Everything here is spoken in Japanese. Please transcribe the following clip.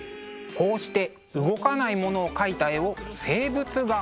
こうして動かないものを描いた絵を静物画と呼びます。